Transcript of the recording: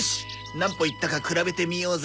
何歩いったか比べてみようぜ。